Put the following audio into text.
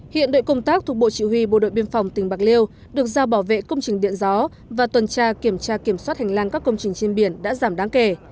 hiện đội công tác thuộc bộ chỉ huy bộ đội biên phòng tỉnh bạc liêu được giao bảo vệ công trình điện gió và tuần tra kiểm tra kiểm soát hành lang các công trình trên biển đã giảm đáng kể